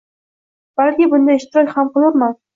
Balki bunda ishtirok ham qilurman.